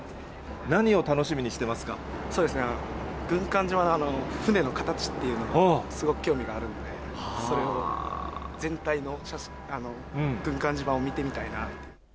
そうですね、軍艦島の船の形っていうのが、すごく興味があるので、それを、全体の、軍艦島を見てみたいなと。